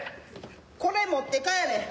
これ持って帰れ。